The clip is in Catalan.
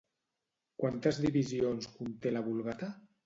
Quantes divisions conté la Vulgata?